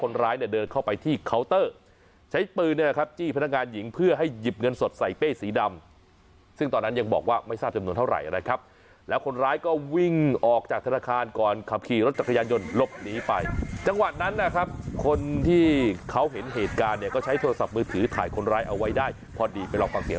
เนี่ยเดินเข้าไปที่เคาน์เตอร์ใช้ปืนเนี่ยนะครับจี้พนักงานหญิงเพื่อให้หยิบเงินสดใส่เป้สีดำซึ่งตอนนั้นยังบอกว่าไม่ทราบจำนวนเท่าไหร่นะครับแล้วคนร้ายก็วิ่งออกจากธนาคารก่อนขับขี่รถจักรยานยนต์หลบหนีไปจังหวะนั้นนะครับคนที่เขาเห็นเหตุการณ์เนี่ยก็ใช้โทรศัพท์มือถือถ่ายคนร้ายเอาไว้ได้พอดีไปลองฟังเสียง